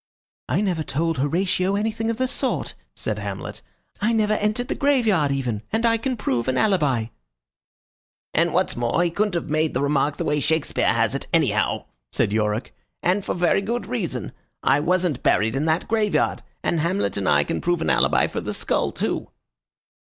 "I never told Horatio anything of the sort," said Hamlet. "I never entered the graveyard even, and I can prove an alibi." "And, what's more, he couldn't have made the remark the way Shakespeare has it, anyhow," said Yorick, "and for a very good reason. I wasn't buried in that graveyard, and Hamlet and I can prove an alibi for the skull, too."